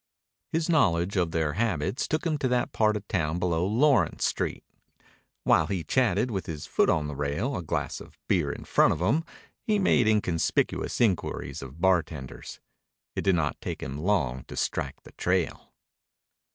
His knowledge of their habits took him to that part of town below Lawrence Street. While he chatted with his foot on the rail, a glass of beer in front of him, he made inconspicuous inquiries of bartenders. It did not take him long to strike the trail.